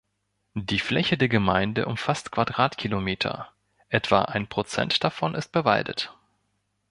Die Fläche der Gemeinde umfasst Quadratkilometer, etwa ein Prozent davon ist bewaldet.